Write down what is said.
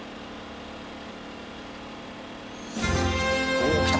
おっきた！